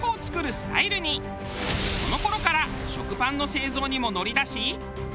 その頃から食パンの製造にも乗り出し